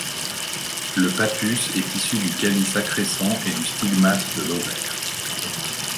Le pappus est issu du calice accrescent et du stigmate de l'ovaire.